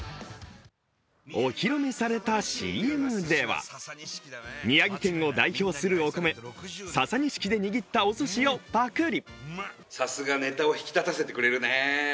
お披露目されたＣＭでは宮城県を代表するお米、ササニシキで握ったおすしをパクり。